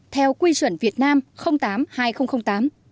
theo quy chuẩn việt nam tám hai nghìn tám